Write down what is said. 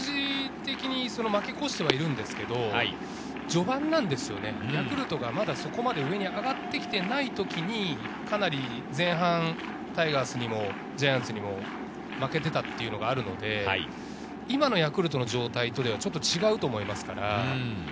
負け越してはいるんですけれど、ヤクルトがまだそこまで上がってきていないときに、かなり前半タイガースにもジャイアンツにも負けていたというのがあるので、今のヤクルトの状態とちょっと違うと思います。